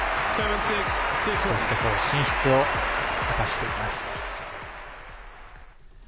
ベスト４進出を果たしています。